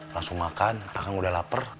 langsung makan udah lapar